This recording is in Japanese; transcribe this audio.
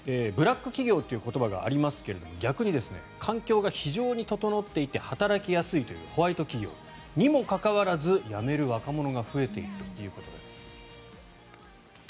ブラック企業という言葉がありますが逆に環境が非常に整っていて働きやすいというホワイト企業。にもかかわらず辞める若者が増えているということです。